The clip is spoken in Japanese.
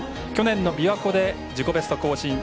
去年のびわ湖で自己ベスト更新。